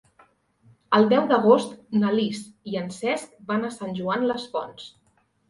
El deu d'agost na Lis i en Cesc van a Sant Joan les Fonts.